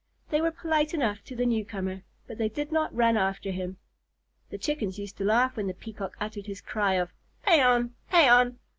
They were polite enough to the newcomer, but they did not run after him. The Chickens used to laugh when the Peacock uttered his cry of "Paon! Paon!"